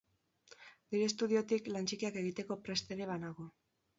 Nire estudiotik lan txikiak egiteko prest ere banago.